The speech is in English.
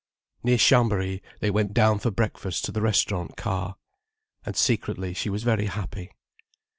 Near Chambéry they went down for breakfast to the restaurant car. And secretly, she was very happy.